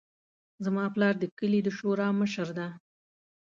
زما پلار د کلي د شورا مشر ده